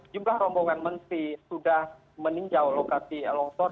jumlah rombongan menteri sudah meninjau lokasi longsor